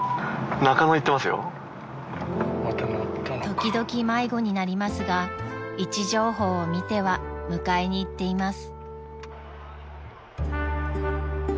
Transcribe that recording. ［時々迷子になりますが位置情報を見ては迎えに行っています］